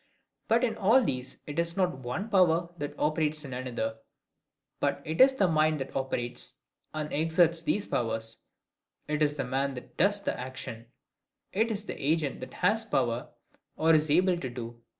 But in all these it is not one POWER that operates on another: but it is the mind that operates, and exerts these powers; it is the man that does the action; it is the agent that has power, or is able to do.